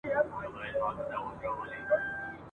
له خولې ووتله زرکه ناببره ..